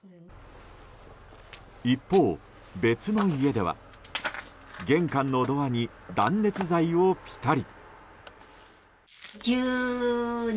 一方、別の家では玄関のドアに断熱材をピタリ。